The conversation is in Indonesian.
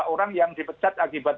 lima puluh tiga orang yang dipecat akibat